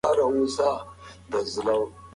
ولسمشر په خپلې مسکا سره هغه ته د بښنې ډاډ ورکړ.